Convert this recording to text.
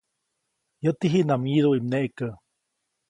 ‒Yäti jiʼnam wyĩduʼi mneʼkä-.